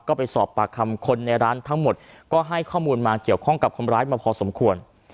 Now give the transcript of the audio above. ก็ไปสอบปากคำคนในร้านทั้งหมดก็ให้ข้อมูลมาเกี่ยวข้องกับคนร้ายมาพอสมควร